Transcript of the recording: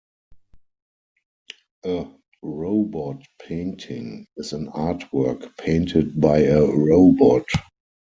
A "robot painting" is an artwork painted by a robot.